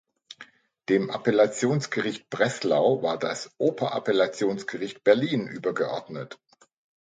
Dem Appellationsgericht Breslau war das Oberappellationsgericht Berlin übergeordnet.